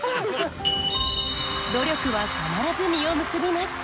努力は必ず実を結びます。